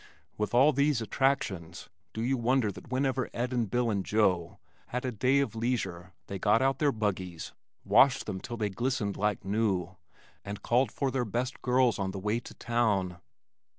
With all these attractions do you wonder that whenever Ed and Bill and Joe had a day of leisure they got out their buggies, washed them till they glistened like new, and called for their best girls on the way to town?